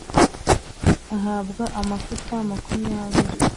Ahabwa amakuta makumyabiri